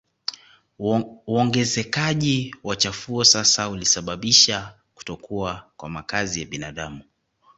Uongezekaji wa chafuo sasa ulisababisha kutokuwa kwa makazi ya binadamu